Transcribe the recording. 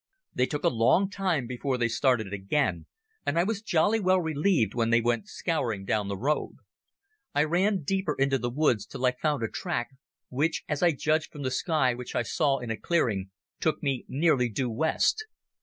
They took a long time before they started again, and I was jolly well relieved when they went scouring down the road. I ran deeper into the woods till I found a track which—as I judged from the sky which I saw in a clearing—took me nearly due west.